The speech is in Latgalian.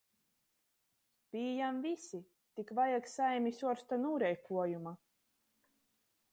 Pījam vysi, tik vajag saimis uorsta nūreikuojuma.